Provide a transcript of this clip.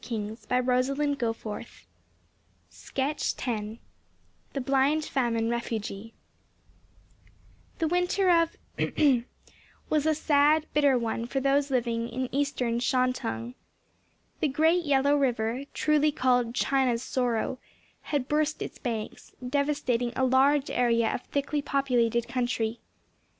*SKETCH X* *The Blind Famine Refugee* *The Blind Famine Refugee* The winter of —— was a sad, bitter one for those living in Eastern Shantung. The great Yellow River, truly called "China's Sorrow," had burst its banks, devastating a large area of thickly populated country.